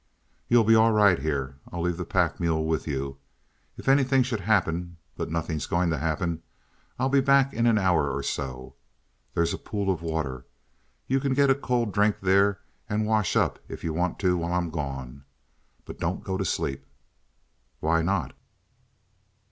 "You'll be all right here. I'll leave the pack mule with you; if anything should happen but nothing is going to happen, I'll be back in an hour or so. There's a pool of water. You can get a cold drink there and wash up if you want to while I'm gone. But don't go to sleep!" "Why not?"